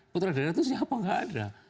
putra daerah itu siapa nggak ada